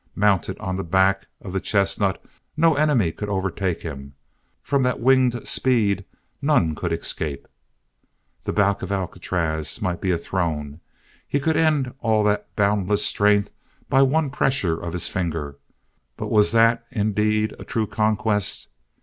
Mounted on the back of the chestnut no enemy could overtake him; from that winged speed none could escape. The back of Alcatraz might be a throne! He could end all that boundless strength by one pressure of his finger but was that indeed a true conquest?